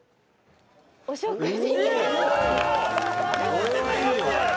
「お食事券！」